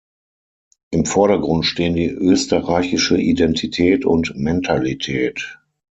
Im Vordergrund stehen die österreichische Identität und Mentalität.